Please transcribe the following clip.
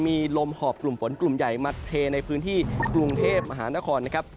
มีลมหอบกลุ่มฝนกลุ่มใหญ่มาเทในพื้นที่กรุงเทพมหานครนะครับ